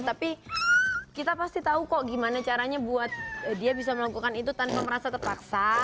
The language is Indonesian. tapi kita pasti tahu kok gimana caranya buat dia bisa melakukan itu tanpa merasa terpaksa